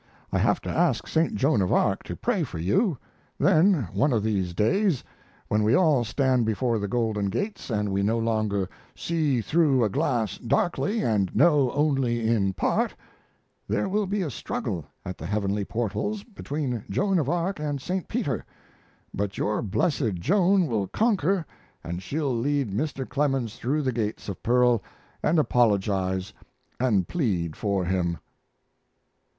I have to ask Saint Joan of Arc to pray for you; then one of these days, when we all stand before the Golden Gates and we no longer "see through a glass darkly and know only in part," there will be a struggle at the heavenly portals between Joan of Arc and St. Peter, but your blessed Joan will conquer and she'll lead Mr. Clemens through the gates of pearl and apologize and plead for him.